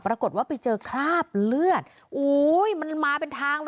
ปรากฏว่าไปเจอคราบเลือดอุ้ยมันมาเป็นทางเลย